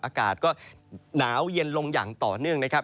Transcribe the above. อากาศก็หนาวเย็นลงอย่างต่อเนื่องนะครับ